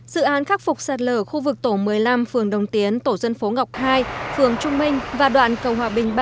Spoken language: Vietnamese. dự án khắc phục sạt lở khu vực tổ một mươi năm phường đồng tiến tổ dân phố ngọc hai phường trung minh và đoạn cầu hòa bình ba